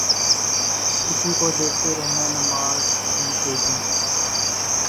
کسی کو دیکھتے رہنا نماز تھی تیری